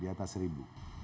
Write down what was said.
di atas rp satu